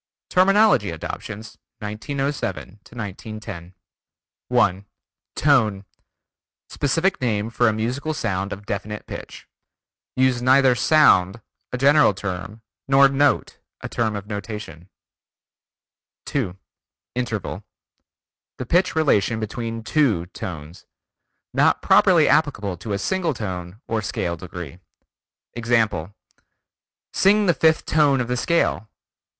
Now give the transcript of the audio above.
TERMINOLOGY ADOPTIONS, 1907 1910 1. Tone: Specific name for a musical sound of definite pitch. Use neither sound, a general term, nor note, a term of notation. 2. Interval: The pitch relation between two tones. Not properly applicable to a single tone or scale degree. Example: "Sing the fifth tone of the scale."